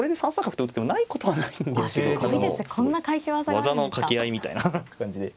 技のかけ合いみたいな感じで。